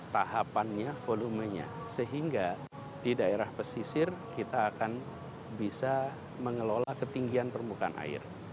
tahapannya volumenya sehingga di daerah pesisir kita akan bisa mengelola ketinggian permukaan air